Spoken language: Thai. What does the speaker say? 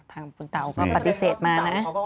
ทางภูเกราะย์ปฏิเสธมานะ